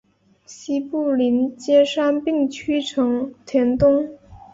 西部邻接杉并区成田东。